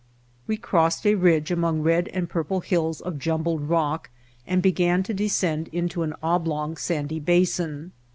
We crossed a ridge among red and purple hills of jumbled rock and began to descend into an oblong, sandy basin.